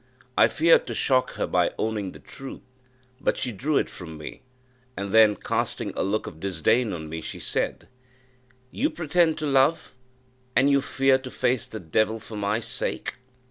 I feared to shock her by owning the truth, but she drew it from me; and then, casting a look of disdain on me, she said, "You pretend to love, and you fear to face the Devil for my sake!"